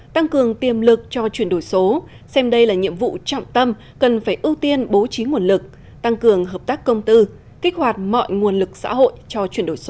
tăng cường tiềm lực cho chuyển đổi số xem đây là nhiệm vụ trọng tâm cần phải ưu tiên bố trí nguồn lực tăng cường hợp tác công tư kích hoạt mọi nguồn lực xã hội cho chuyển đổi số